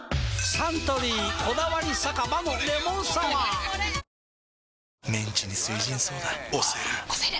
サントリー「こだわり酒場のレモンサワー」推せる！！